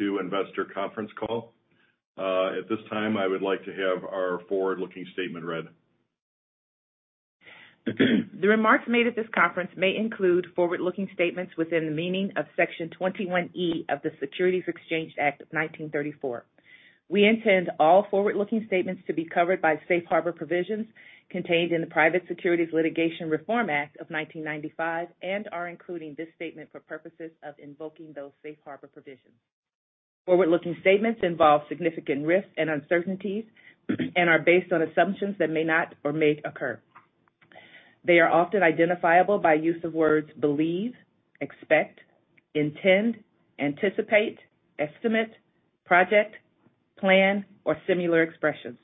To investor conference call. At this time, I would like to have our forward-looking statement read. The remarks made at this conference may include forward-looking statements within the meaning of Section 21E of the Securities Exchange Act of 1934. We intend all forward-looking statements to be covered by safe harbor provisions contained in the Private Securities Litigation Reform Act of 1995 and are including this statement for purposes of invoking those safe harbor provisions. Forward-looking statements involve significant risks and uncertainties and are based on assumptions that may or may not occur. They are often identifiable by use of words believe, expect, intend, anticipate, estimate, project, plan, or similar expressions.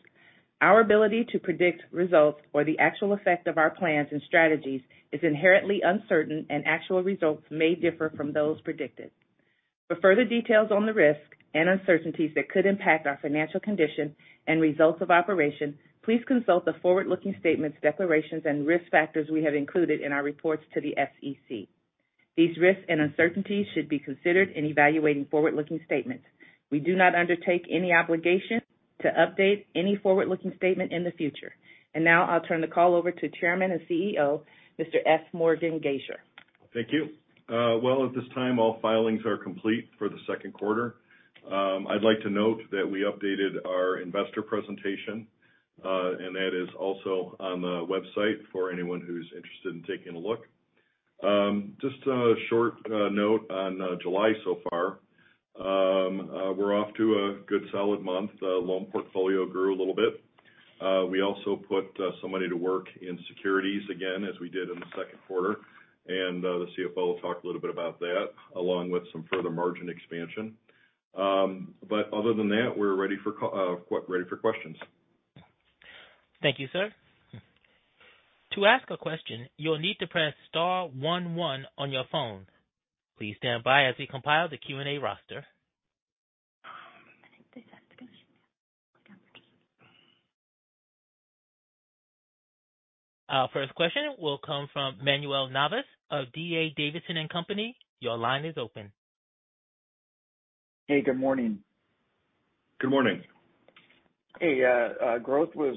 Our ability to predict results or the actual effect of our plans and strategies is inherently uncertain, and actual results may differ from those predicted. For further details on the risk and uncertainties that could impact our financial condition and results of operation, please consult the forward-looking statements, declarations and risk factors we have included in our reports to the SEC. These risks and uncertainties should be considered in evaluating forward-looking statements. We do not undertake any obligation to update any forward-looking statement in the future. Now I'll turn the call over to Chairman and CEO, Mr. F. Morgan Gasior. Thank you. Well, at this time, all filings are complete for the second quarter. I'd like to note that we updated our investor presentation, and that is also on the website for anyone who's interested in taking a look. Just a short note on July so far. We're off to a good solid month. The loan portfolio grew a little bit. We also put some money to work in securities again, as we did in the second quarter, and the CFO will talk a little bit about that, along with some further margin expansion. Other than that, we're ready for questions. Thank you, sir. To ask a question, you'll need to press star one one on your phone. Please stand by as we compile the Q&A roster. Our first question will come from Manuel Navas of D.A. Davidson & Co. Your line is open. Hey, good morning. Good morning. Hey, growth was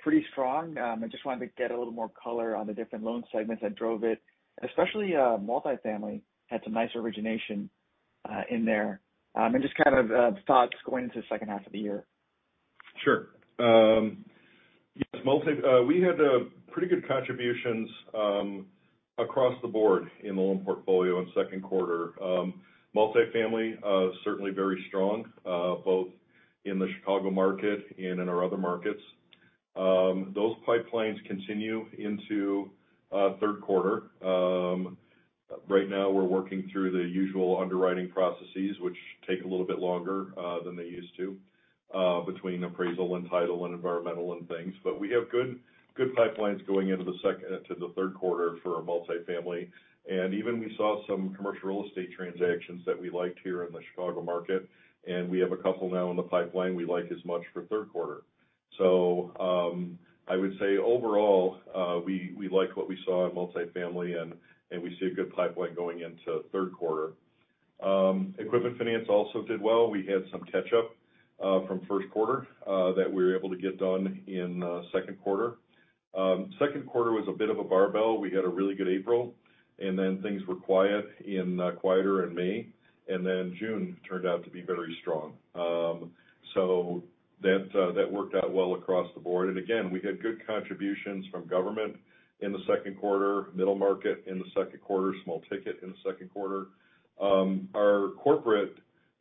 pretty strong. I just wanted to get a little more color on the different loan segments that drove it, especially multifamily had some nice origination in there. Just kind of thoughts going into the second half of the year. Sure. Yes, we had pretty good contributions across the board in loan portfolio in second quarter. Multifamily certainly very strong both in the Chicago market and in our other markets. Those pipelines continue into third quarter. Right now we're working through the usual underwriting processes, which take a little bit longer than they used to between appraisal and title and environmental and things. We have good pipelines going into the third quarter for our multifamily. Even we saw some commercial real estate transactions that we liked here in the Chicago market, and we have a couple now in the pipeline we like as much for third quarter. I would say overall, we like what we saw in multifamily and we see a good pipeline going into third quarter. Equipment finance also did well. We had some catch up from first quarter that we were able to get done in second quarter. Second quarter was a bit of a barbell. We had a really good April, and then things were quieter in May, and then June turned out to be very strong. That worked out well across the board. Again, we had good contributions from government in the second quarter, middle market in the second quarter, small ticket in the second quarter. Our corporate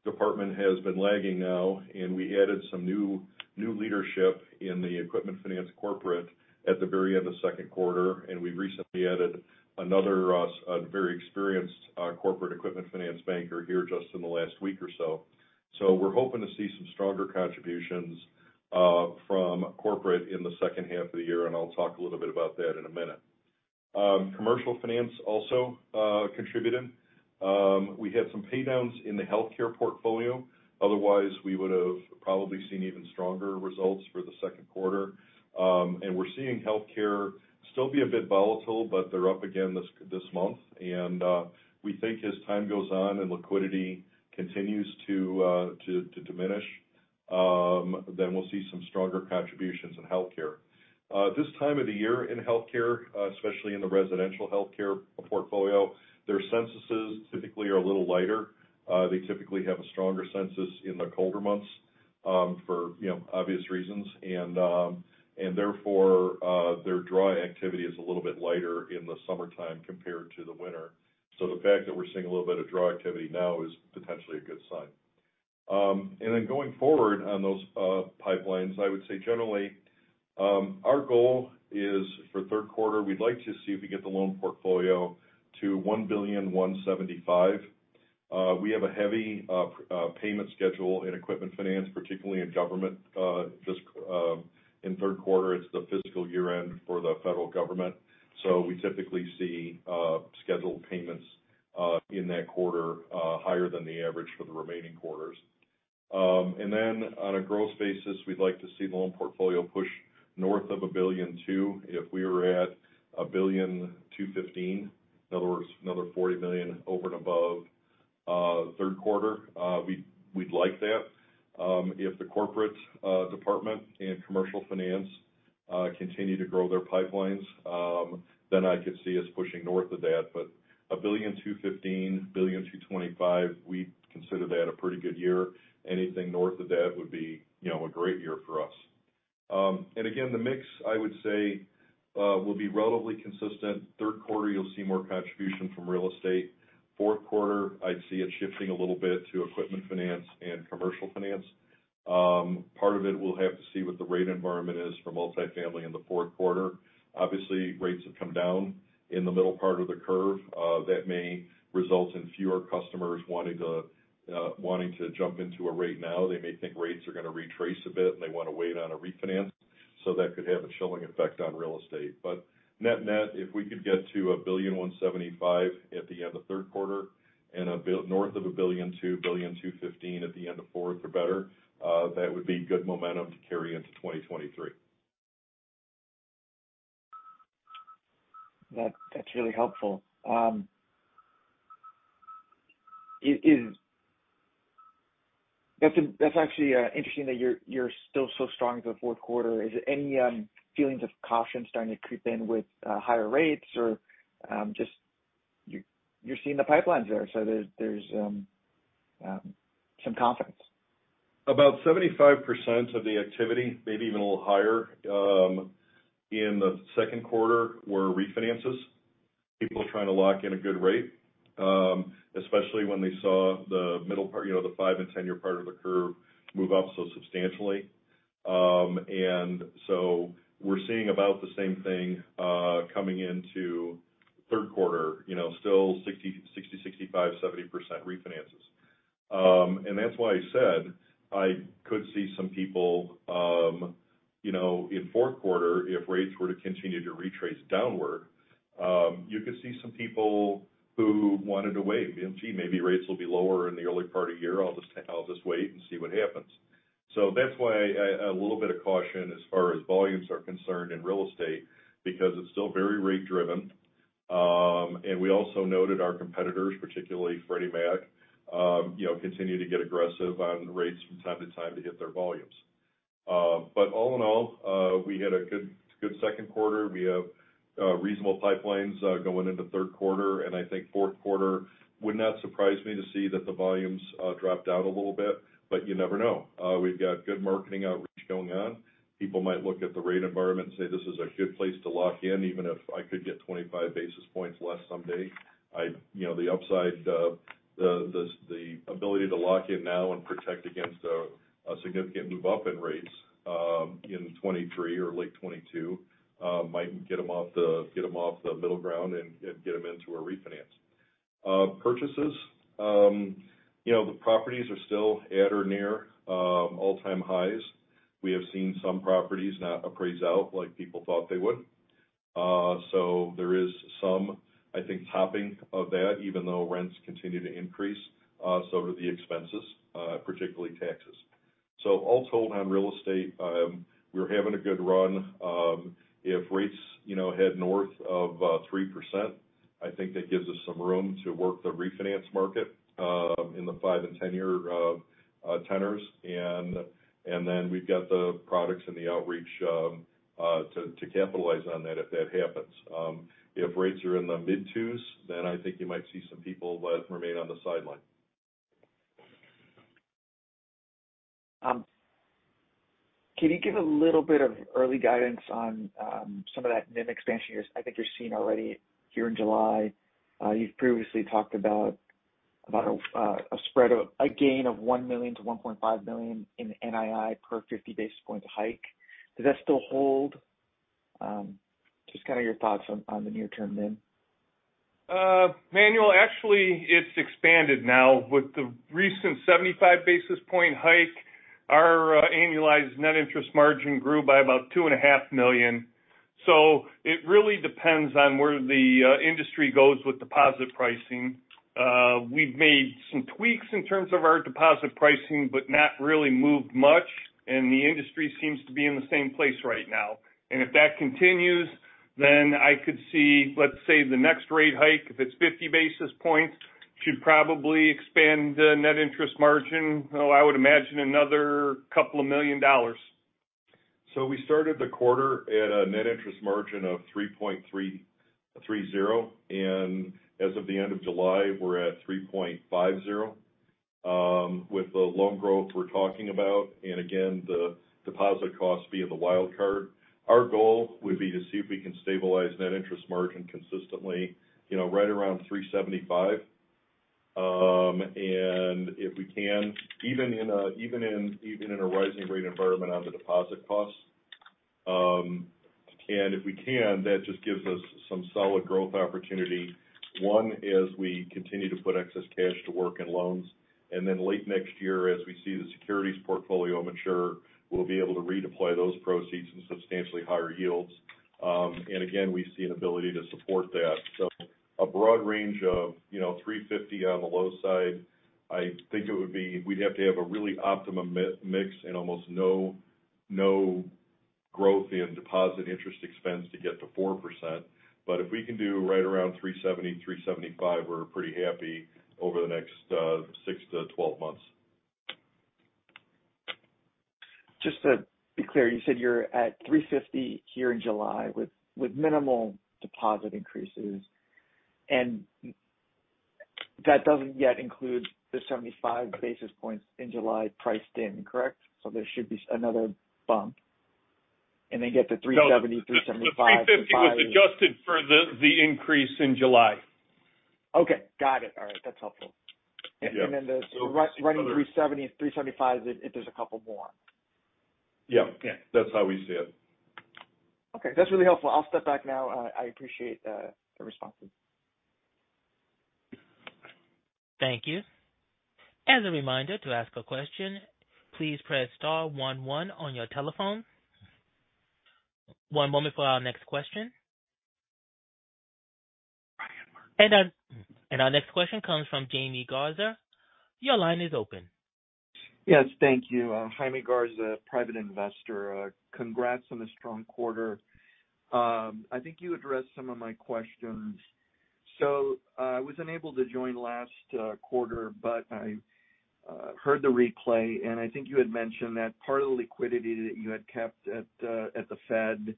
department has been lagging now, and we added some new leadership in the equipment finance corporate at the very end of second quarter. We recently added another, a very experienced, corporate equipment finance banker here just in the last week or so. We're hoping to see some stronger contributions, from corporate in the second half of the year, and I'll talk a little bit about that in a minute. Commercial finance also, contributed. We had some pay downs in the healthcare portfolio. Otherwise, we would have probably seen even stronger results for the second quarter. We're seeing healthcare still be a bit volatile, but they're up again this month. We think as time goes on and liquidity continues to diminish, then we'll see some stronger contributions in healthcare. This time of the year in healthcare, especially in the residential healthcare portfolio, their censuses typically are a little lighter. They typically have a stronger season in the colder months for you know obvious reasons. Their draw activity is a little bit lighter in the summertime compared to the winter. The fact that we're seeing a little bit of draw activity now is potentially a good sign. Going forward on those pipelines, I would say generally, our goal is for third quarter, we'd like to see if we get the loan portfolio to $1.175 billion. We have a heavy payment schedule in equipment finance, particularly in government, just in third quarter. It's the fiscal year-end for the federal government. We typically see scheduled payments in that quarter higher than the average for the remaining quarters. On a growth basis, we'd like to see the loan portfolio push north of $1.2 billion. If we were at $1.215 billion, in other words, another $40 million over and above third quarter, we'd like that. If the corporate department and commercial finance continue to grow their pipelines, I could see us pushing north of that. $1.215 billion-$1.225 billion, we'd consider that a pretty good year. Anything north of that would be, you know, a great year for us. The mix, I would say, will be relatively consistent. Third quarter, you'll see more contribution from real estate. Fourth quarter, I'd see it shifting a little bit to equipment finance and commercial finance. Part of it, we'll have to see what the rate environment is for multifamily in the fourth quarter. Obviously, rates have come down in the middle part of the curve. That may result in fewer customers wanting to jump into a rate now. They may think rates are going to retrace a bit, and they want to wait on a refinance. That could have a chilling effect on real estate. Net-net, if we could get to $1.175 billion at the end of third quarter and north of $1.2 billion, $1.215 billion at the end of fourth quarter or better, that would be good momentum to carry into 2023. That's really helpful. That's actually interesting that you're still so strong into the fourth quarter. Is there any feelings of caution starting to creep in with higher rates? Or just you're seeing the pipelines there, so there's some confidence. About 75% of the activity, maybe even a little higher, in the second quarter were refinances. People trying to lock in a good rate, especially when they saw the middle part, you know, the 5- and 10-year part of the curve move up so substantially. We're seeing about the same thing coming into third quarter. You know, still 60%, 65%, 70% refinances. That's why I said I could see some people, you know, in fourth quarter, if rates were to continue to retrace downward, you could see some people who wanted to wait and see. Maybe rates will be lower in the early part of the year. I'll just wait and see what happens. That's why I. A little bit of caution as far as volumes are concerned in real estate because it's still very rate driven. We also know that our competitors, particularly Freddie Mac, you know, continue to get aggressive on rates from time to time to hit their volumes. All in all, we had a good second quarter. We have reasonable pipelines going into third quarter. I think fourth quarter would not surprise me to see that the volumes drop down a little bit, but you never know. We've got good marketing outreach going on. People might look at the rate environment and say, this is a good place to lock in, even if I could get 25 basis points less someday. You know, the upside, the ability to lock in now and protect against a significant move up in rates, in 2023 or late 2022, might get them off the middle ground and get them into a refinance. Purchases, you know, the properties are still at or near all-time highs. We have seen some properties not appraise out like people thought they would. There is some, I think, topping of that, even though rents continue to increase, so do the expenses, particularly taxes. All told on real estate, we're having a good run. If rates, you know, head north of 3%, I think that gives us some room to work the refinance market, in the 5- and 10-year tenors. Then we've got the products and the outreach to capitalize on that if that happens. If rates are in the mid-twos, then I think you might see some people that remain on the sideline. Can you give a little bit of early guidance on some of that NIM expansion you're seeing already here in July? You've previously talked about a gain of $1 million-$1.5 million in NII per 50 basis points hike. Does that still hold? Just kind of your thoughts on the near-term NIM. Manuel, actually, it's expanded now. With the recent 75 basis point hike, our annualized net interest margin grew by about $2.5 million. It really depends on where the industry goes with deposit pricing. We've made some tweaks in terms of our deposit pricing but not really moved much, and the industry seems to be in the same place right now. If that continues, then I could see, let's say, the next rate hike, if it's 50 basis points, should probably expand the net interest margin. I would imagine another couple of $1 million. We started the quarter at a net interest margin of 3.30%, and as of the end of July, we're at 3.50%. With the loan growth we're talking about, and again, the deposit cost being the wild card, our goal would be to see if we can stabilize net interest margin consistently, you know, right around 3.75%. If we can, even in a rising rate environment on the deposit costs. If we can, that just gives us some solid growth opportunity, one, as we continue to put excess cash to work in loans. Late next year, as we see the securities portfolio mature, we'll be able to redeploy those proceeds in substantially higher yields. Again, we see an ability to support that. A broad range of, you know, 3.50% on the low side. I think we'd have to have a really optimum mix and almost no growth in deposit interest expense to get to 4%. If we can do right around 3.70%-3.75%, we're pretty happy over the next 6-12 months. Just to be clear, you said you're at 3.50% here in July with minimal deposit increases. That doesn't yet include the 75 basis points in July priced in, correct? There should be another bump, and then get to 3.70%-3.75%. No. The 3.50% was adjusted for the increase in July. Okay. Got it. All right. That's helpful. Yeah. the running 3.70%-3.75% if there's a couple more. Yeah. Yeah. That's how we see it. Okay. That's really helpful. I'll step back now. I appreciate the responses. Thank you. As a reminder to ask a question, please press star one one on your telephone. One moment for our next question. Our next question comes from Jaime Garza. Your line is open. Yes. Thank you. Jaime Garza, private investor. Congrats on the strong quarter. I think you addressed some of my questions. I was unable to join last quarter, but I heard the replay, and I think you had mentioned that part of the liquidity that you had kept at the Fed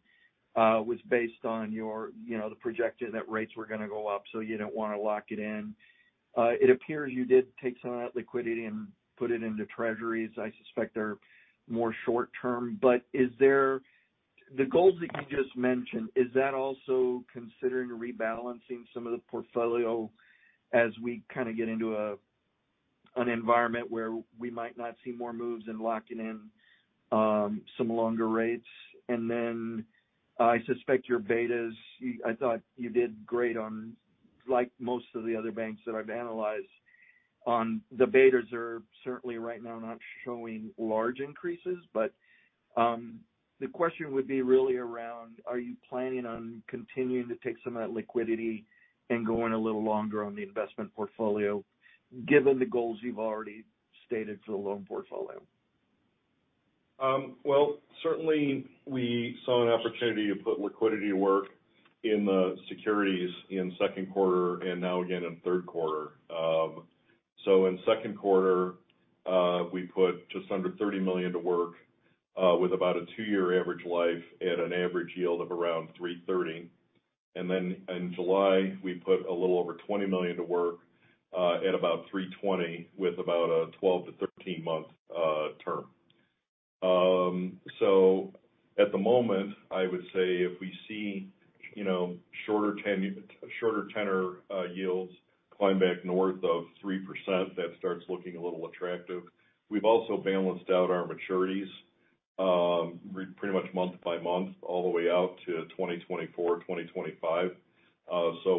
was based on your, you know, the projection that rates were going to go up, so you didn't want to lock it in. It appears you did take some of that liquidity and put it into Treasuries. I suspect they're more short-term. The goals that you just mentioned, is that also considering rebalancing some of the portfolio as we kind of get into an environment where we might not see more moves in locking in some longer rates? Then I suspect your betas. I thought you did great on, like most of the other banks that I've analyzed on, the betas are certainly right now not showing large increases. The question would be really around, are you planning on continuing to take some of that liquidity and going a little longer on the investment portfolio given the goals you've already stated for the loan portfolio? Well, certainly we saw an opportunity to put liquidity to work in the securities in second quarter and now again in third quarter. In second quarter, we put just under $30 million to work, with about a 2-year average life at an average yield of around 3.30%. Then in July, we put a little over $20 million to work, at about 3.20% with about a 12- to 13-month term. At the moment, I would say if we see, you know, shorter tenor yields climb back north of 3%, that starts looking a little attractive. We've also balanced out our maturities, pretty much month by month all the way out to 2024, 2025.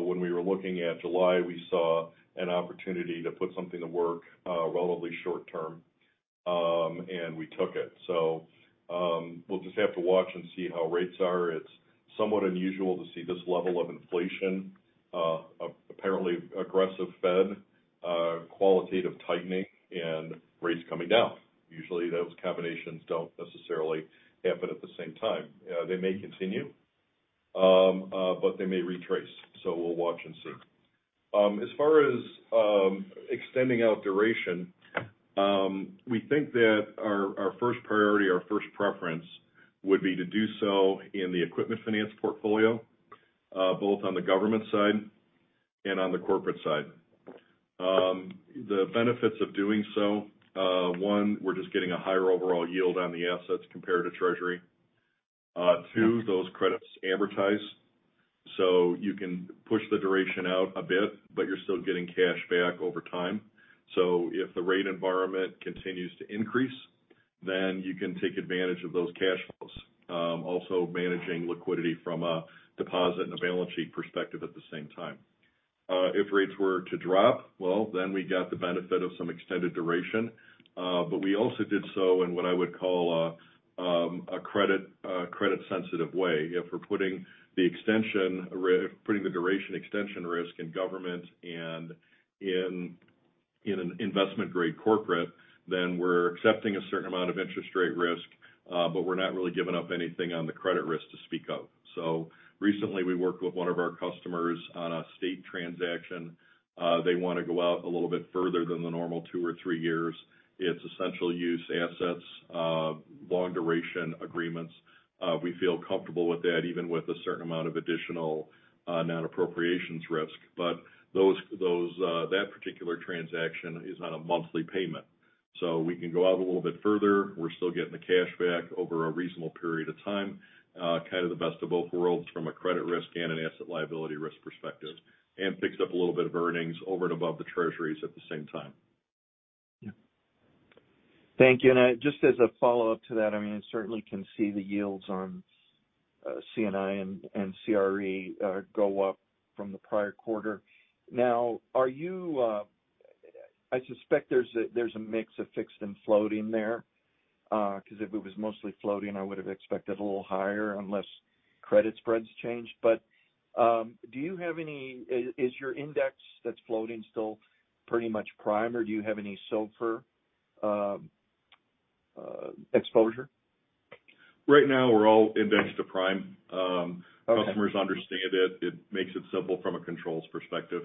When we were looking at July, we saw an opportunity to put something to work, relatively short term, and we took it. We'll just have to watch and see how rates are. It's somewhat unusual to see this level of inflation, apparently aggressive Fed, quantitative tightening and rates coming down. Usually, those combinations don't necessarily happen at the same time. They may continue, but they may retrace. We'll watch and see. As far as extending out duration, we think that our first priority, our first preference would be to do so in the equipment finance portfolio, both on the government side and on the corporate side. The benefits of doing so, one, we're just getting a higher overall yield on the assets compared to Treasury. Two, those credits amortize. You can push the duration out a bit, but you're still getting cash back over time. If the rate environment continues to increase, then you can take advantage of those cash flows. Also managing liquidity from a deposit and a balance sheet perspective at the same time. If rates were to drop, well, then we got the benefit of some extended duration. We also did so in what I would call a credit sensitive way. If we're putting the duration extension risk in government and in an investment-grade corporate, then we're accepting a certain amount of interest rate risk, but we're not really giving up anything on the credit risk to speak of. Recently, we worked with one of our customers on a state transaction. They want to go out a little bit further than the normal two or three years. It's essential use assets, long duration agreements. We feel comfortable with that, even with a certain amount of additional non-appropriations risk. Those that particular transaction is on a monthly payment. We can go out a little bit further. We're still getting the cash back over a reasonable period of time, kind of the best of both worlds from a credit risk and an asset liability risk perspective, and picks up a little bit of earnings over and above the treasuries at the same time. Yeah. Thank you. Just as a follow-up to that, I mean, I certainly can see the yields on C&I and CRE go up from the prior quarter. Now, are you I suspect there's a mix of fixed and floating there. Because if it was mostly floating, I would have expected a little higher unless credit spreads changed. Is your index that's floating still pretty much prime, or do you have any SOFR exposure? Right now, we're all indexed to prime. Okay. Customers understand it. It makes it simple from a controls perspective.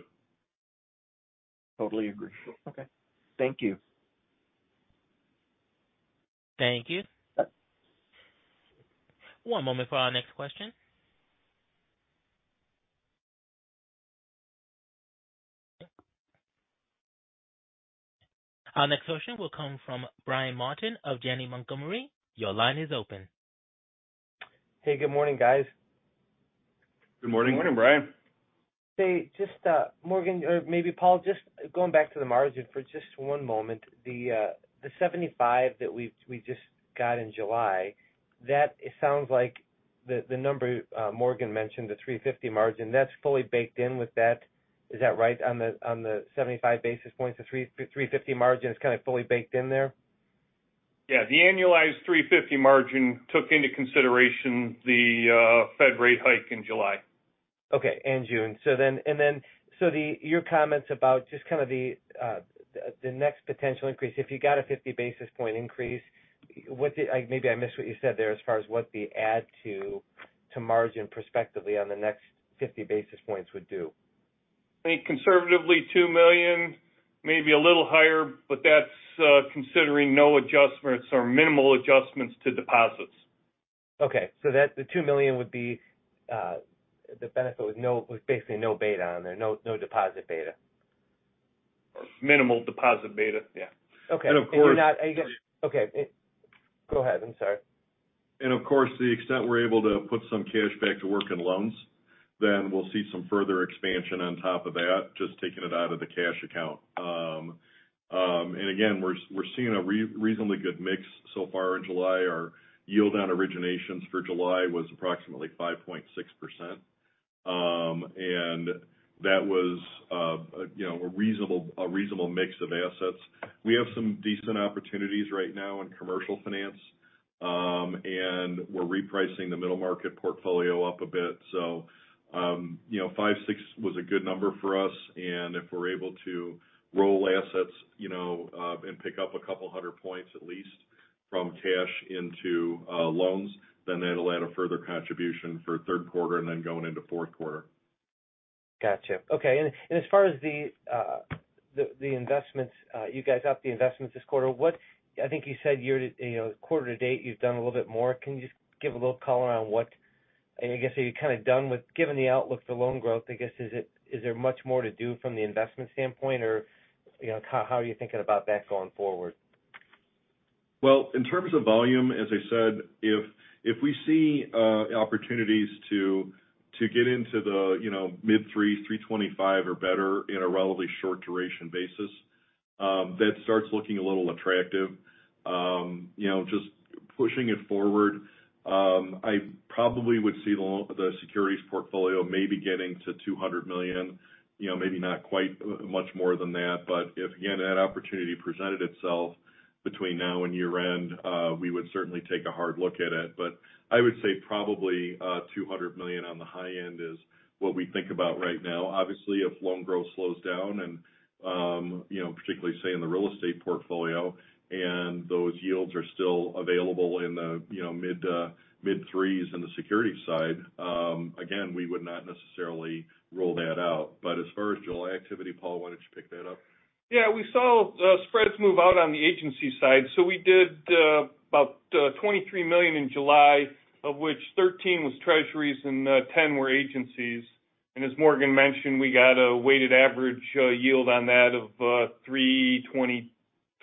Totally agree. Okay. Thank you. Thank you. One moment for our next question. Our next question will come from Brian Martin of Janney Montgomery Scott. Your line is open. Hey, good morning, guys. Good morning. Good morning, Brian. Hey, just Morgan or maybe Paul, just going back to the margin for just one moment. The 75 that we just got in July, that it sounds like the number Morgan mentioned, the 3.50% margin, that's fully baked in with that. Is that right on the 75 basis points, the 3.50% margin is kind of fully baked in there? Yeah. The annualized 3.50% margin took into consideration the Fed rate hike in July. Okay, and June. Your comments about just kind of the next potential increase, if you got a 50 basis point increase, maybe I missed what you said there as far as what the add to margin prospectively on the next 50 basis points would do. I think conservatively $2 million, maybe a little higher, but that's considering no adjustments or minimal adjustments to deposits. That $2 million would be the benefit with basically no beta on there, no deposit beta. Minimal deposit beta, yeah. Okay. Of course. Okay. Go ahead. I'm sorry. Of course, the extent we're able to put some cash back to work in loans, then we'll see some further expansion on top of that, just taking it out of the cash account. Again, we're seeing a reasonably good mix so far in July. Our yield on originations for July was approximately 5.6%. That was, you know, a reasonable mix of assets. We have some decent opportunities right now in commercial finance, and we're repricing the middle market portfolio up a bit. You know, 5.6% was a good number for us. If we're able to roll assets, you know, and pick up a couple hundred points at least from cash into loans, then that'll add a further contribution for third quarter and then going into fourth quarter. Gotcha. Okay. As far as the investments, you guys upped the investments this quarter. I think you said year-to-date, you know, quarter-to-date, you've done a little bit more. Can you just give a little color on what. I guess, are you kind of done with giving the outlook for loan growth. I guess, is there much more to do from the investment standpoint, or, you know, how are you thinking about that going forward. Well, in terms of volume, as I said, if we see opportunities to get into the you know mid-threes, 3.25 or better in a relatively short duration basis, that starts looking a little attractive. You know, just pushing it forward, I probably would see the securities portfolio maybe getting to $200 million, you know, maybe not quite much more than that. If again that opportunity presented itself between now and year-end, we would certainly take a hard look at it. I would say probably $200 million on the high end is what we think about right now. Obviously, if loan growth slows down and, you know, particularly, say, in the real estate portfolio, and those yields are still available in the, you know, mid-threes in the securities side, again, we would not necessarily rule that out. But as far as July activity, Paul, why don't you pick that up? Yeah, we saw spreads move out on the agency side. We did about $23 million in July, of which $13 million was Treasuries and $10 million were agencies. As Morgan mentioned, we got a weighted average yield on that of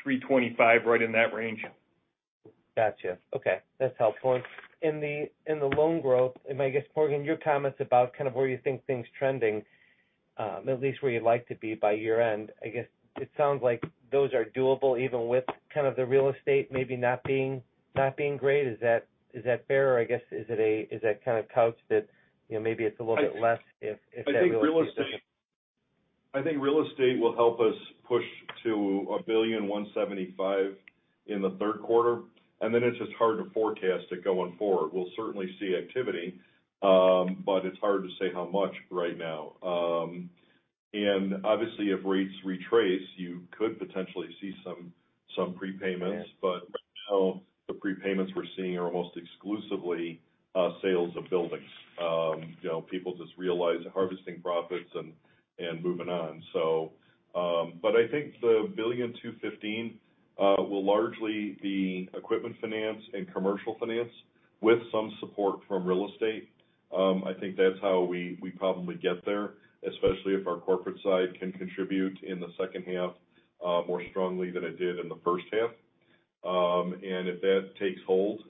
3.20%-3.25%, right in that range. Gotcha. Okay. That's helpful. In the loan growth, and I guess, Morgan, your comments about kind of where you think things trending, at least where you'd like to be by year-end, I guess it sounds like those are doable even with kind of the real estate maybe not being great. Is that fair? I guess, Is that kind of couched that, you know, maybe it's a little bit less if that real estate doesn't- I think real estate will help us push to $1.175 billion in the third quarter, and then it's just hard to forecast it going forward. We'll certainly see activity, but it's hard to say how much right now. Obviously if rates retrace, you could potentially see some prepayments. Yeah. Right now, the prepayments we're seeing are almost exclusively sales of buildings. You know, people just realize harvesting profits and moving on. I think the $1.215 billion will largely be equipment finance and commercial finance with some support from real estate. I think that's how we probably get there, especially if our corporate side can contribute in the second half, more strongly than it did in the first half. If that takes hold,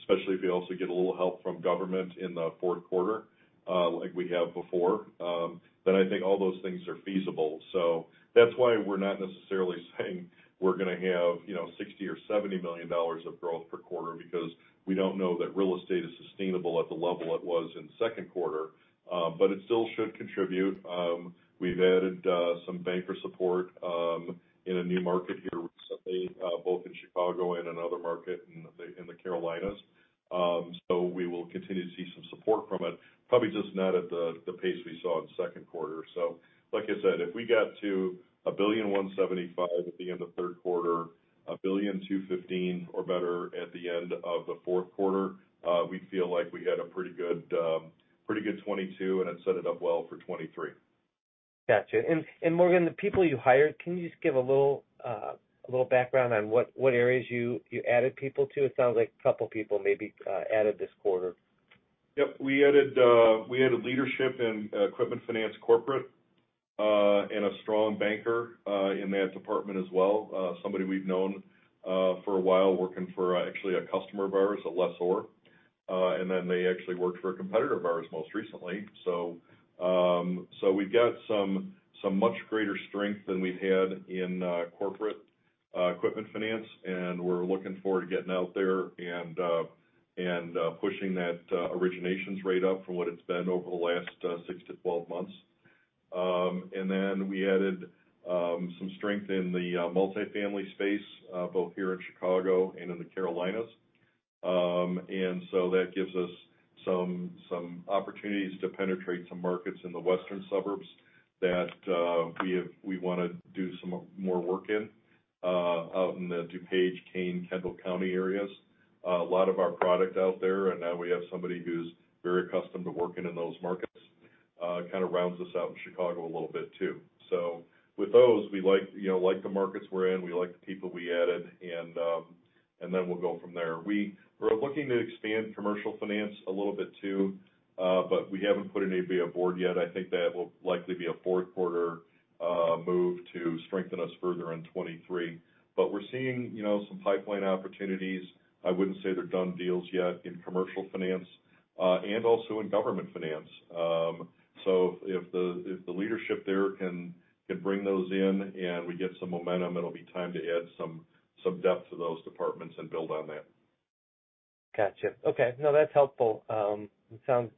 especially if you also get a little help from government in the fourth quarter, like we have before. I think all those things are feasible. That's why we're not necessarily saying we're gonna have, you know, $60 million or $70 million of growth per quarter because we don't know that real estate is sustainable at the level it was in second quarter. It still should contribute. We've added some banker support in a new market here recently both in Chicago and another market in the Carolinas. We will continue to see some support from it, probably just not at the pace we saw in the second quarter. Like I said, if we get to $1.175 billion at the end of third quarter, $1.215 billion or better at the end of the fourth quarter, we'd feel like we had a pretty good 2022, and it'd set it up well for 2023. Gotcha. Morgan, the people you hired, can you just give a little background on what areas you added people to? It sounds like a couple people may be added this quarter. Yep. We added leadership in equipment finance corporate and a strong banker in that department as well. Somebody we've known for a while working for actually a customer of ours, a lessor. They actually worked for a competitor of ours most recently. We've got some much greater strength than we've had in corporate equipment finance, and we're looking forward to getting out there and pushing that originations rate up from what it's been over the last 6-12 months. We added some strength in the multifamily space both here in Chicago and in the Carolinas. That gives us some opportunities to penetrate some markets in the western suburbs that we wanna do some more work in out in the DuPage, Kane, Kendall County areas. A lot of our product out there, and now we have somebody who's very accustomed to working in those markets. Kind of rounds us out in Chicago a little bit too. With those, we like, you know, like the markets we're in, we like the people we added, and then we'll go from there. We were looking to expand commercial finance a little bit too, but we haven't put anybody on board yet. I think that will likely be a fourth quarter move to strengthen us further in 2023. We're seeing, you know, some pipeline opportunities. I wouldn't say they're done deals yet in commercial finance, and also in government finance. If the leadership there can bring those in and we get some momentum, it'll be time to add some depth to those departments and build on that. Gotcha. Okay. No, that's helpful. It sounds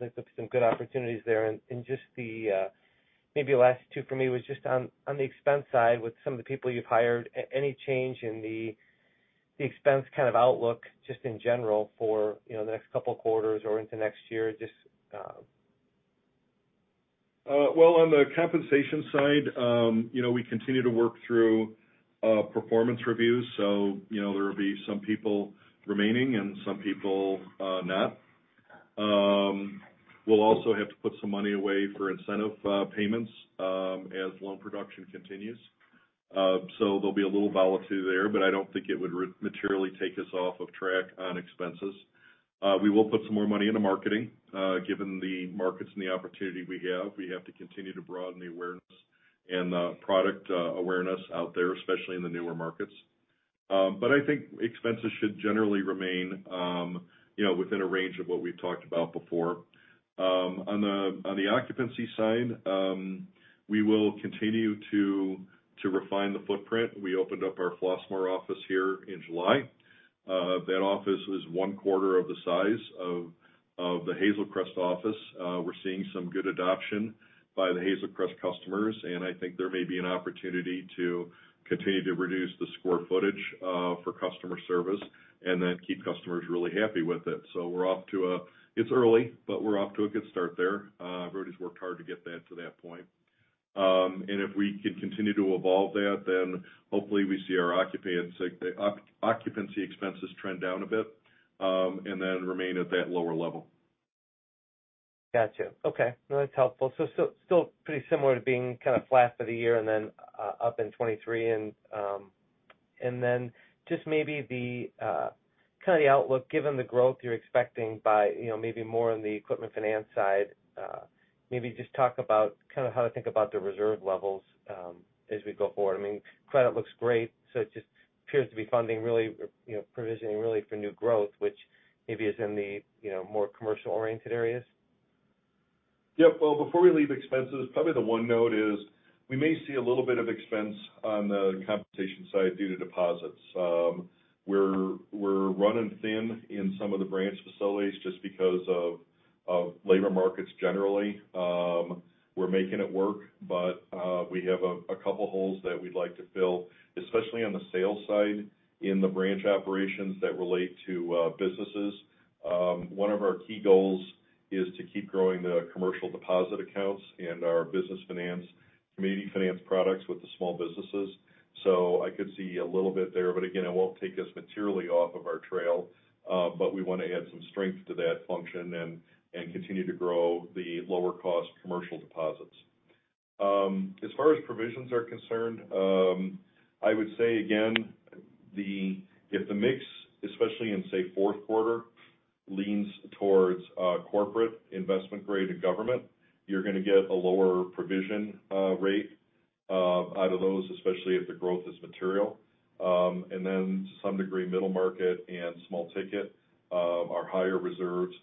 like some good opportunities there. Just the, maybe the last two for me was just on the expense side with some of the people you've hired, any change in the expense kind of outlook just in general for, you know, the next couple quarters or into next year? Well, on the compensation side, you know, we continue to work through performance reviews, so, you know, there will be some people remaining and some people not. We'll also have to put some money away for incentive payments as loan production continues. So there'll be a little volatility there, but I don't think it would materially take us off of track on expenses. We will put some more money into marketing, given the markets and the opportunity we have. We have to continue to broaden the awareness and the product awareness out there, especially in the newer markets. I think expenses should generally remain, you know, within a range of what we've talked about before. On the occupancy side, we will continue to refine the footprint. We opened up our Flossmoor office here in July. That office is one quarter of the size of the Hazel Crest office. We're seeing some good adoption by the Hazel Crest customers, and I think there may be an opportunity to continue to reduce the square footage for customer service and then keep customers really happy with it. We're off to a good start there. It's early, but we're off to a good start there. Rudy's worked hard to get that to that point. If we can continue to evolve that, then hopefully we see our occupancy expenses trend down a bit and then remain at that lower level. Gotcha. Okay. No, that's helpful. Still pretty similar to being kind of flat for the year and then up in 2023 and then just maybe the kind of the outlook, given the growth you're expecting by, you know, maybe more on the equipment finance side, maybe just talk about kind of how to think about the reserve levels, as we go forward. I mean, credit looks great, so it just appears to be funding really, you know, provisioning really for new growth, which maybe is in the, you know, more commercial-oriented areas. Yep. Well, before we leave expenses, probably the one note is we may see a little bit of expense on the compensation side due to deposits. We're running thin in some of the branch facilities just because of labor markets generally. We're making it work, but we have a couple holes that we'd like to fill, especially on the sales side in the branch operations that relate to businesses. One of our key goals is to keep growing the commercial deposit accounts and our business finance, community finance products with the small businesses. I could see a little bit there, but again, it won't take us materially off of our track. We wanna add some strength to that function and continue to grow the lower cost commercial deposits. As far as provisions are concerned, if the mix, especially in, say, fourth quarter leans towards corporate investment grade to government. You're gonna get a lower provision rate out of those, especially if the growth is material. To some degree, middle market and small ticket are higher reserves.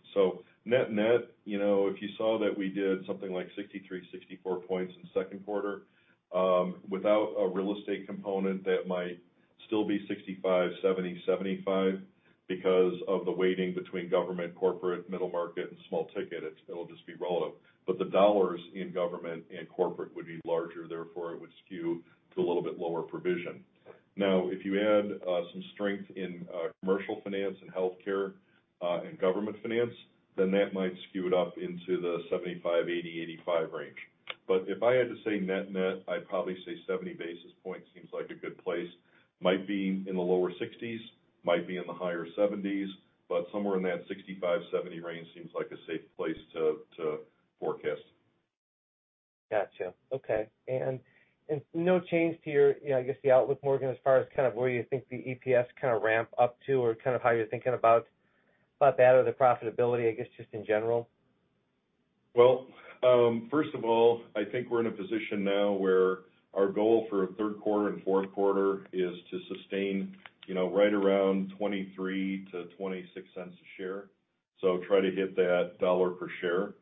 Net-net, you know, if you saw that we did something like 63, 64 points in second quarter, without a real estate component, that might still be 65, 70, 75 because of the weighting between government, corporate, middle market, and small ticket. It'll just be relative. But the dollars in government and corporate would be larger, therefore, it would skew to a little bit lower provision. Now, if you add some strength in commercial finance and healthcare and government finance, then that might skew it up into the 75, 80, 85 range. But if I had to say net-net, I'd probably say 70 basis points seems like a good place. Might be in the lower 60s, might be in the higher 70s, but somewhere in that 65-70 range seems like a safe place to forecast. Gotcha. Okay. No change to your, you know, I guess, the outlook, Morgan, as far as kind of where you think the EPS kinda ramp up to or kind of how you're thinking about that or the profitability, I guess, just in general. Well, first of all, I think we're in a position now where our goal for third quarter and fourth quarter is to sustain, you know, right around $0.23-$0.26 a share. Try to hit that $1.00 per share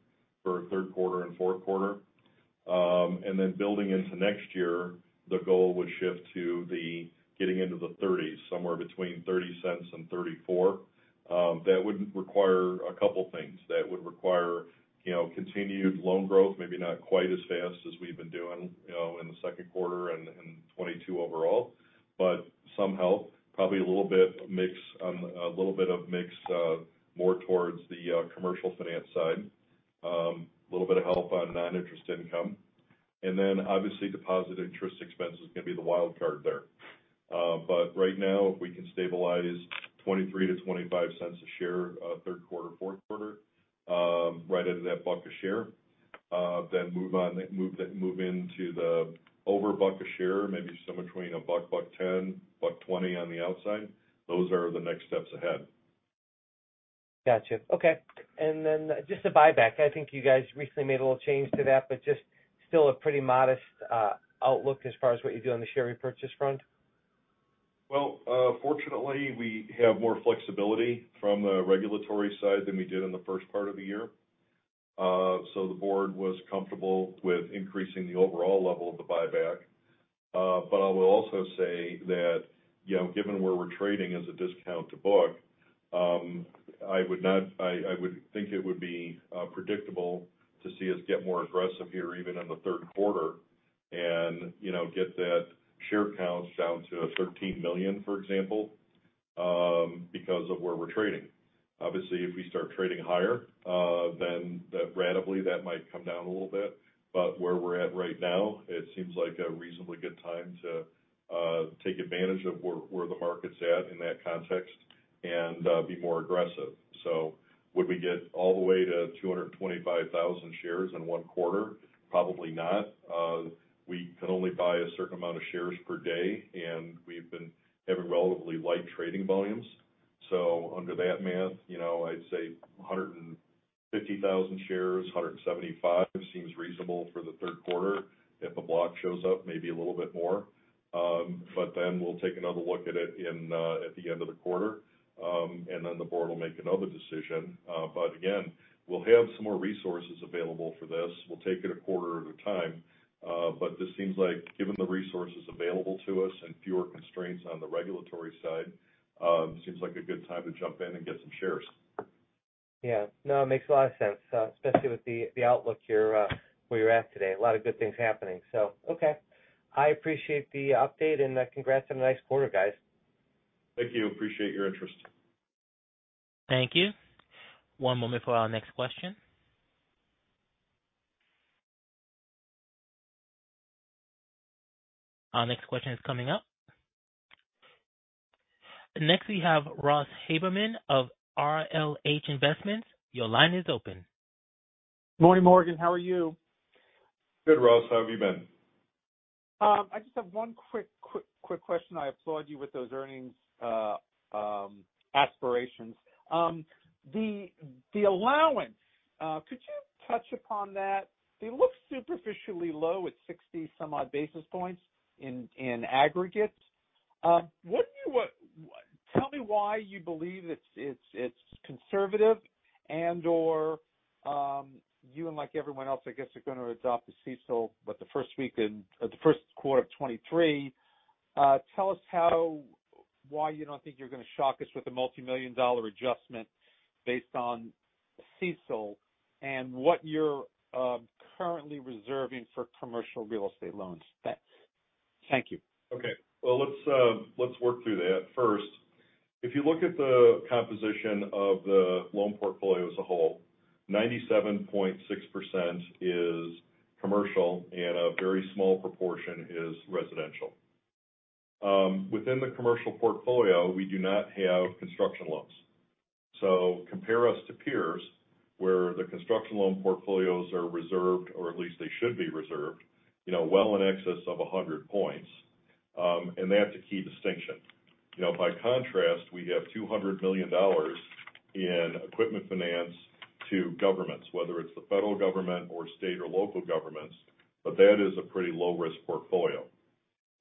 for third quarter and fourth quarter. Building into next year, the goal would shift to getting into the thirties, somewhere between $0.30 and $0.34. That would require a couple things. That would require, you know, continued loan growth, maybe not quite as fast as we've been doing, you know, in the second quarter and 2022 overall. Some help, probably a little bit of mix, more towards the commercial finance side. A little bit of help on non-interest income. Obviously, deposit interest expense is gonna be the wild card there. Right now, if we can stabilize $0.23-$0.25 a share, third quarter, fourth quarter, right into that $1 a share, then move into over $1 a share, maybe somewhere between $1, $1.10, $1.20 on the outside. Those are the next steps ahead. Gotcha. Okay. Just the buyback. I think you guys recently made a little change to that, but just still a pretty modest outlook as far as what you do on the share repurchase front. Well, fortunately, we have more flexibility from the regulatory side than we did in the first part of the year. The board was comfortable with increasing the overall level of the buyback. I will also say that, you know, given where we're trading as a discount to book, I would think it would be predictable to see us get more aggressive here even in the third quarter and, you know, get that share count down to 13 million, for example, because of where we're trading. Obviously, if we start trading higher, that ratably might come down a little bit. Where we're at right now, it seems like a reasonably good time to take advantage of where the market's at in that context and be more aggressive. Would we get all the way to 225,000 shares in one quarter? Probably not. We can only buy a certain amount of shares per day, and we've been having relatively light trading volumes. Under that math, you know, I'd say 150,000 shares, 175,000 seems reasonable for the third quarter. If a block shows up, maybe a little bit more. Then we'll take another look at it in at the end of the quarter. Then the board will make another decision. Again, we'll have some more resources available for this. We'll take it a quarter at a time. This seems like given the resources available to us and fewer constraints on the regulatory side, seems like a good time to jump in and get some shares. Yeah. No, it makes a lot of sense, especially with the outlook here, where you're at today. A lot of good things happening. Okay. I appreciate the update and congrats on a nice quarter, guys. Thank you. Appreciate your interest. Thank you. One moment for our next question. Our next question is coming up. Next, we have Ross Haberman of RLH Investments. Your line is open. Morning, Morgan. How are you? Good, Ross. How have you been? I just have one quick question. I applaud you with those earnings aspirations. The allowance, could you touch upon that? They look superficially low at 60-some-odd basis points in aggregate. Tell me why you believe it's conservative and/or you and like everyone else, I guess, are gonna adopt the CECL the first quarter of 2023. Tell us why you don't think you're gonna shock us with a multi-million-dollar adjustment based on CECL and what you're currently reserving for commercial real estate loans. Thanks. Thank you. Okay. Well, let's work through that. First, if you look at the composition of the loan portfolio as a whole, 97.6% is commercial and a very small proportion is residential. Within the commercial portfolio, we do not have construction loans. Compare us to peers, where the construction loan portfolios are reserved, or at least they should be reserved, you know, well in excess of 100 points. That's a key distinction. You know, by contrast, we have $200 million in equipment finance to governments, whether it's the federal government or state or local governments, but that is a pretty low-risk portfolio.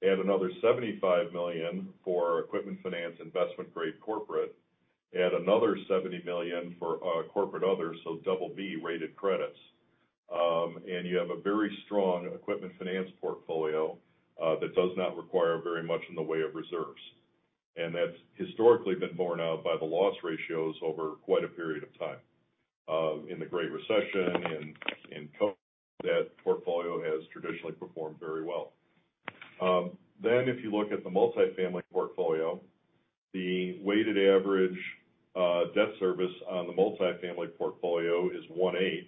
Add another $75 million for equipment finance, investment-grade corporate. Add another $70 million for corporate others, so double B-rated credits. You have a very strong equipment finance portfolio that does not require very much in the way of reserves. That's historically been borne out by the loss ratios over quite a period of time. In the Great Recession, that portfolio has traditionally performed very well. If you look at the multifamily portfolio, the weighted average debt service on the multifamily portfolio is 1.8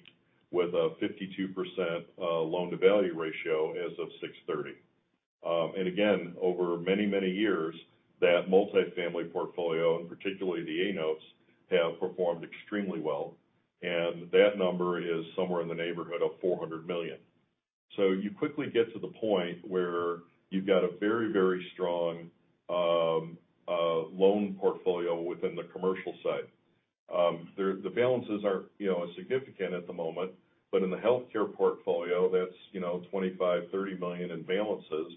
with a 52% loan-to-value ratio as of 6/30. Again, over many years, that multifamily portfolio, and particularly the A notes, have performed extremely well. That number is somewhere in the neighborhood of $400 million. You quickly get to the point where you've got a very strong loan portfolio within the commercial side. The balances are, you know, insignificant at the moment, but in the healthcare portfolio, that's, you know, $25-$30 million in balances.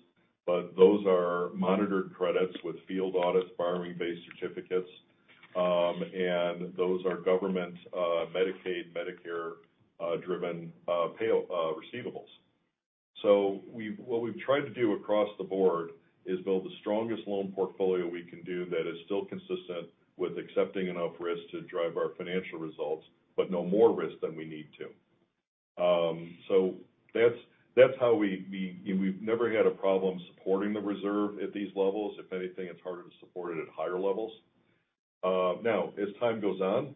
Those are monitored credits with field audit, borrowing base certificates. Those are government, Medicaid, Medicare driven pay receivables. What we've tried to do across the board is build the strongest loan portfolio we can do that is still consistent with accepting enough risk to drive our financial results, but no more risk than we need to. That's how we. We've never had a problem supporting the reserve at these levels. If anything, it's harder to support it at higher levels. Now, as time goes on,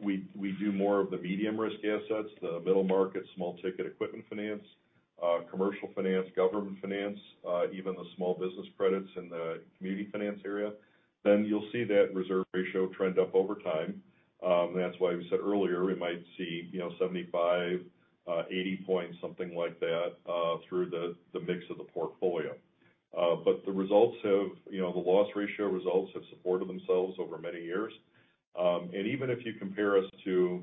we do more of the medium risk assets, the middle market, small ticket equipment finance, commercial finance, government finance, even the small business credits in the community finance area. You'll see that reserve ratio trend up over time. That's why we said earlier we might see, you know, 75, 80 points, something like that, through the mix of the portfolio. The results have, you know, the loss ratio results have supported themselves over many years. Even if you compare us to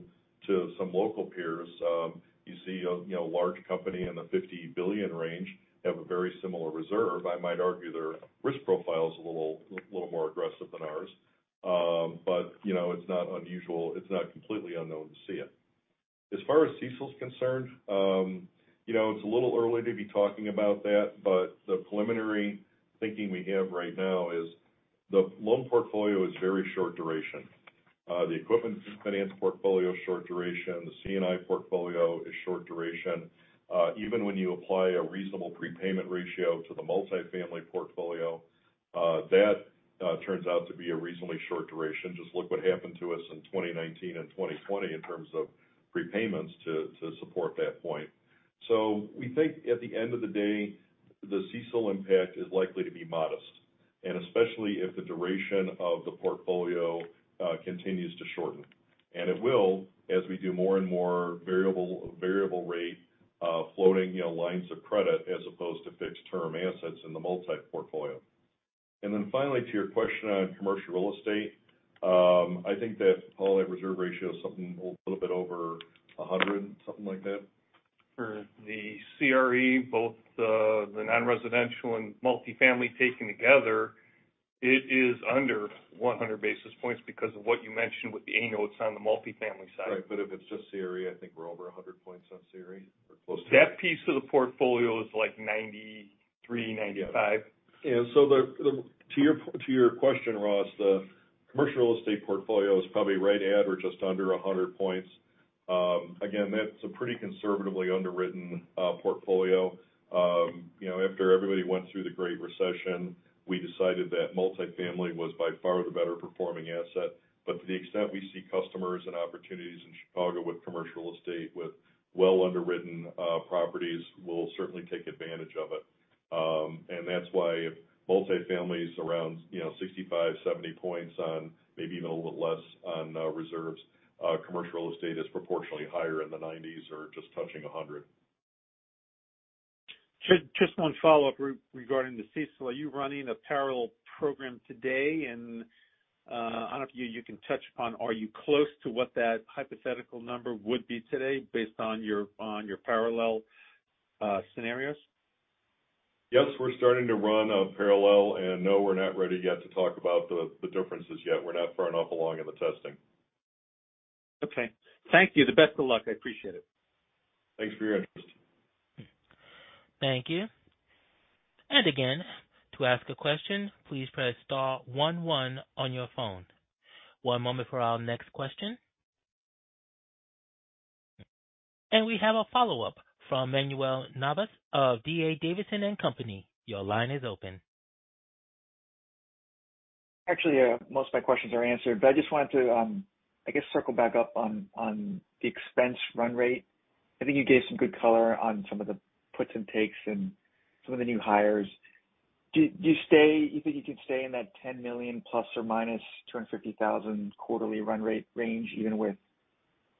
some local peers, you see a, you know, large company in the $50 billion range have a very similar reserve. I might argue their risk profile is a little more aggressive than ours. You know, it's not unusual, it's not completely unknown to see it. As far as CECL is concerned, you know, it's a little early to be talking about that, but the preliminary thinking we have right now is the loan portfolio is very short duration. The equipment finance portfolio is short duration. The C&I portfolio is short duration. Even when you apply a reasonable prepayment ratio to the multifamily portfolio, that turns out to be a reasonably short duration. Just look what happened to us in 2019 and 2020 in terms of prepayments to support that point. We think at the end of the day, the CECL impact is likely to be modest, and especially if the duration of the portfolio continues to shorten. It will, as we do more and more variable rate floating, you know, lines of credit as opposed to fixed term assets in the multifamily portfolio. Finally, to your question on commercial real estate, I think that Paul, that reserve ratio is something a little bit over 100, something like that. For the CRE, both the non-residential and multifamily taken together, it is under 100 basis points because of what you mentioned with the A notes on the multifamily side. Right. If it's just CRE, I think we're over 100 points on CRE or close to it. That piece of the portfolio is like 93-95. To your question, Ross, the commercial real estate portfolio is probably right at or just under 100 points. Again, that's a pretty conservatively underwritten portfolio. You know, after everybody went through the Great Recession, we decided that multifamily was by far the better performing asset. To the extent we see customers and opportunities in Chicago with commercial real estate, with well underwritten properties, we'll certainly take advantage of it. That's why if multifamily is around, you know, 65-70 points on maybe even a little bit less on reserves, commercial real estate is proportionally higher in the 90s or just touching 100. Just one follow-up regarding the CECL. Are you running a parallel program today? I don't know if you can touch upon, are you close to what that hypothetical number would be today based on your parallel scenarios? Yes, we're starting to run a parallel, and no, we're not ready yet to talk about the differences yet. We're not far enough along in the testing. Okay. Thank you. The best of luck. I appreciate it. Thanks for your interest. Thank you. Again, to ask a question, please press star one one on your phone. One moment for our next question. We have a follow-up from Manuel Navas of D.A. Davidson & Co. Your line is open. Actually, most of my questions are answered, but I just wanted to, I guess, circle back up on the expense run rate. I think you gave some good color on some of the puts and takes and some of the new hires. You think you can stay in that $10 million ± $250,000 quarterly run rate range, even with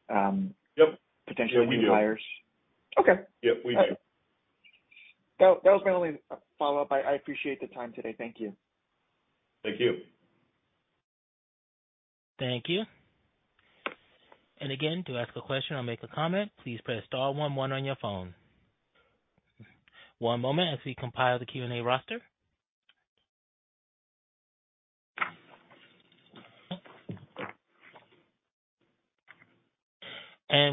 potentially new hires. Yep. Yeah, we do. Okay. Yeah, we do. That was my only follow-up. I appreciate the time today. Thank you. Thank you. Thank you. Again, to ask a question or make a comment, please press star one one on your phone. One moment as we compile the Q&A roster.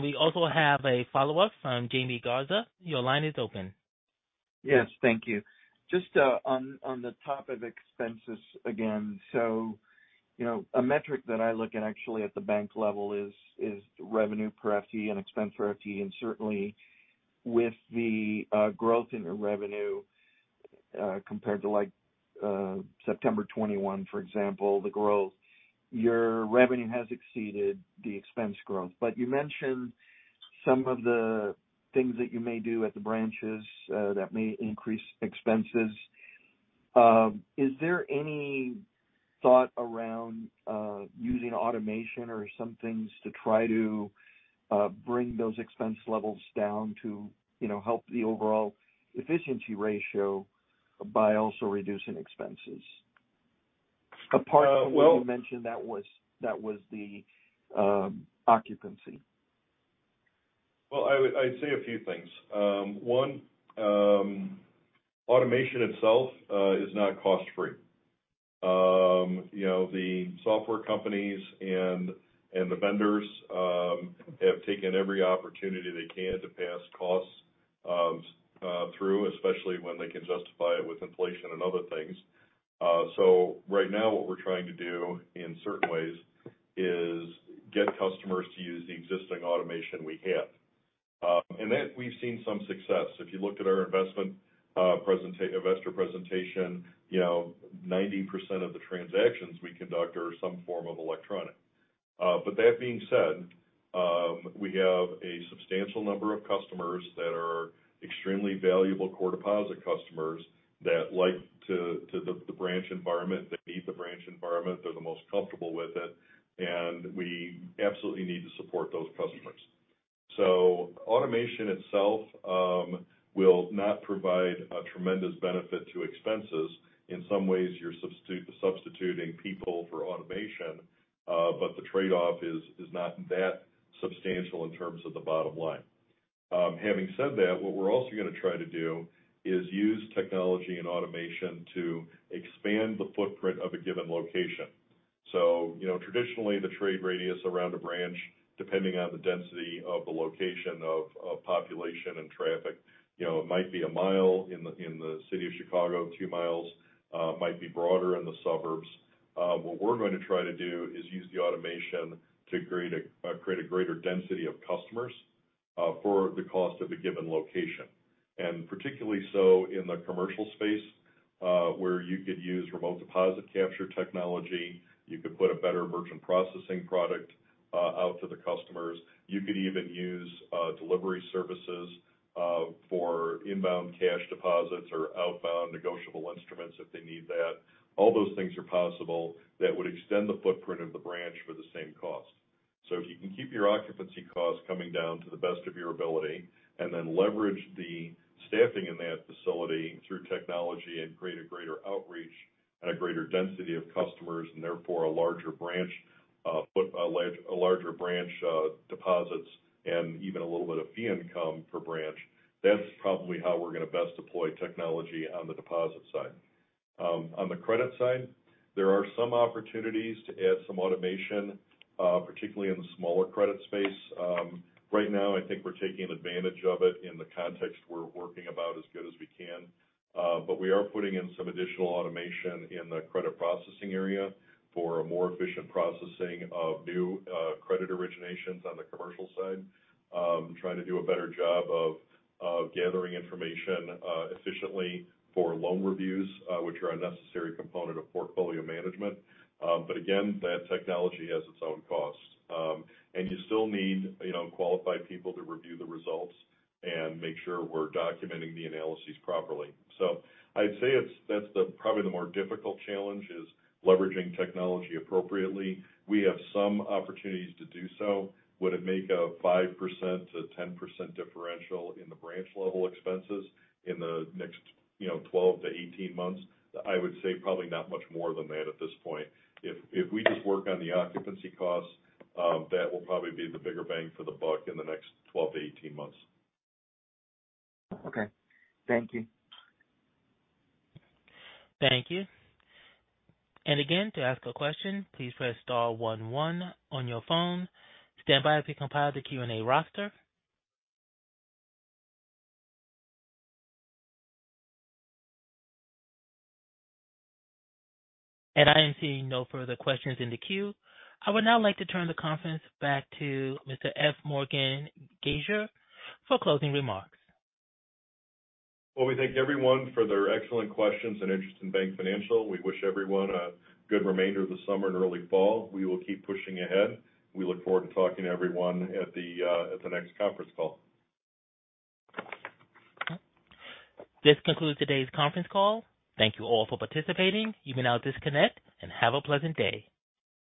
We also have a follow-up from Jaime Garza. Your line is open. Yes. Thank you. Just on the top of expenses again. You know, a metric that I look at actually at the bank level is revenue per FTE and expense per FTE. Certainly, with the growth in your revenue compared to like September 2021, for example, the growth, your revenue has exceeded the expense growth. You mentioned some of the things that you may do at the branches that may increase expenses. Is there any thought around using automation or some things to try to bring those expense levels down to help the overall efficiency ratio by also reducing expenses? Apart from what you mentioned, that was the occupancy. I'd say a few things. One, automation itself is not cost-free. You know, the software companies and the vendors have taken every opportunity they can to pass costs through, especially when they can justify it with inflation and other things. Right now, what we're trying to do in certain ways is get customers to use the existing automation we have. That we've seen some success. If you looked at our investor presentation, you know, 90% of the transactions we conduct are some form of electronic. That being said, we have a substantial number of customers that are extremely valuable core deposit customers that like to the branch environment. They need the branch environment. They're the most comfortable with it. We absolutely need to support those customers. Automation itself will not provide a tremendous benefit to expenses. In some ways, you're substituting people for automation, but the trade-off is not that substantial in terms of the bottom line. Having said that, what we're also gonna try to do is use technology and automation to expand the footprint of a given location. You know, traditionally the trade radius around a branch, depending on the density of the location of population and traffic, you know, it might be a mile in the city of Chicago, two miles, it might be broader in the suburbs. What we're going to try to do is use the automation to create a greater density of customers for the cost of a given location. Particularly so in the commercial space, where you could use remote deposit capture technology. You could put a better merchant processing product out to the customers. You could even use delivery services for inbound cash deposits or outbound negotiable instruments if they need that. All those things are possible that would extend the footprint of the branch for the same cost. If you can keep your occupancy costs coming down to the best of your ability and then leverage the staffing in that facility through technology and create a greater outreach and a greater density of customers and therefore a larger branch deposits and even a little bit of fee income per branch, that's probably how we're going to best deploy technology on the deposit side. On the credit side, there are some opportunities to add some automation, particularly in the smaller credit space. Right now I think we're taking advantage of it in the context we're working about as good as we can. We are putting in some additional automation in the credit processing area for a more efficient processing of new credit originations on the commercial side. Trying to do a better job of gathering information efficiently for loan reviews, which are a necessary component of portfolio management. Again, that technology has its own costs. You still need, you know, qualified people to review the results and make sure we're documenting the analyses properly. I'd say that's probably the more difficult challenge is leveraging technology appropriately. We have some opportunities to do so. Would it make a 5%-10% differential in the branch level expenses in the next, you know, 12-18 months? I would say probably not much more than that at this point. If we just work on the occupancy costs, that will probably be the bigger bang for the buck in the next 12-18 months. Okay. Thank you. Thank you. Again, to ask a question, please press star one one on your phone. Stand by as we compile the Q&A roster. I am seeing no further questions in the queue. I would now like to turn the conference back to Mr. F. Morgan Gasior for closing remarks. Well, we thank everyone for their excellent questions and interest in BankFinancial. We wish everyone a good remainder of the summer and early fall. We will keep pushing ahead. We look forward to talking to everyone at the next conference call. This concludes today's conference call. Thank you all for participating. You may now disconnect and have a pleasant day.